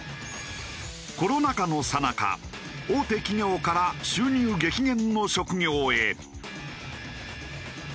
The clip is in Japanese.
コロナ禍のさなか大手企業から収入激減の職業へ。